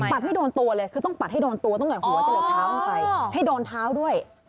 ปัดไม่โดนตัวเลยคือต้องปัดให้โดนตัว